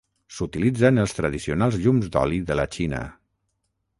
S'utilitza en els tradicionals llums d'oli de la Xina.